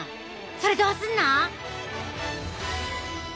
それどうすんの？